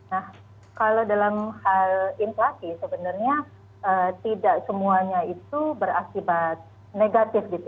nah kalau dalam hal inflasi sebenarnya tidak semuanya itu berakibat negatif gitu